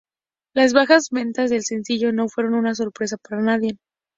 Las bajas ventas del sencillo no fueron una sorpresa para nadie.